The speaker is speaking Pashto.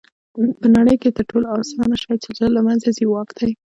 په نړۍ کښي تر ټولو آسانه شى چي ژر له منځه ځي؛ واک دئ.